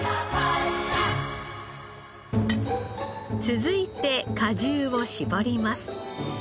続いて果汁を搾ります。